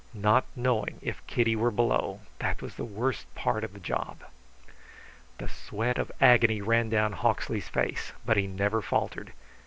Not knowing if Kitty were below that was the worst part of the job. The sweat of agony ran down Hawksley's face; but he never faltered.